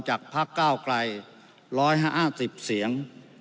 จากภาคเก้าไกล๑๕๐เสียง